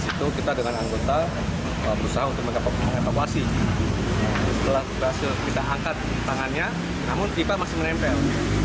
itu kita dengan anggota berusaha untuk mengevakuasi setelah berhasil kita angkat tangannya namun pipa masih menempel